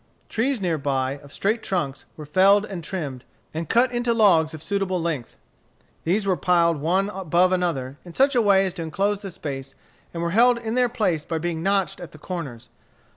Trees near by, of straight trunks, were felled and trimmed, and cut into logs of suitable length. These were piled one above another, in such a way as to enclose the space, and were held in their place by being notched at the corners.